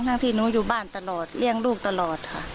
ที่หนูอยู่บ้านตลอดเลี่ยงลูกตลอดค่ะ